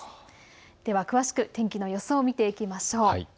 では詳しく天気の予想を見ていきましょう。